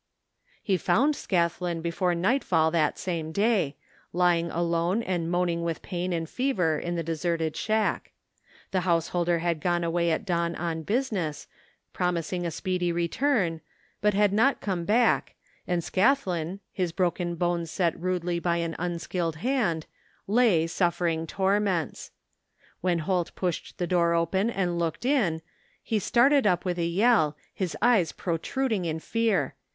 He found Scathlin before nightfall that same day, lying alone and moaning with pain and fever in the deserted shack. The householder had gone away at dawn on business, promising a speedy return, but had 133 THE FINDING OF JASPER HOLT not come back, and ScathJin, his broken bone set rudely by an unskilled hand, lay suffering torments. When Holt pushed the door open and looked in he started up with a yell, his eyes protruding in fear.